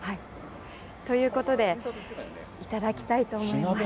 ということで、頂きたいと思います。